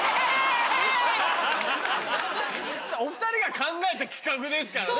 お２人が考えた企画ですからね。